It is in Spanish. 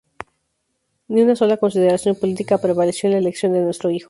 Ni una sola consideración política prevaleció en la elección de nuestro hijo".